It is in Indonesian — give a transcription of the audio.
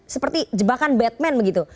seperti jebakan batman begitu